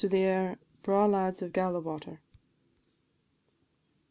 AIR _"Braw Lads of Gala Water."